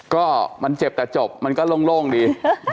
ก็มันเจ็บแต่จบมันก็โล่งดี